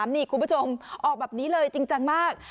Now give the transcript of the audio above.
นี่คุณผู้ชมออกแบบนี้เลยจริงจังมาก